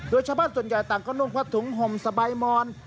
โดยเฉพาะส่วนใหญ่ต่างก็นุ่มพัดถุงห่มสะใบหมอน